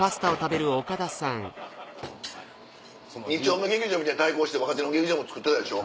２丁目劇場対抗して若手の劇場もつくってたでしょ？